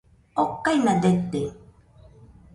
okaina dete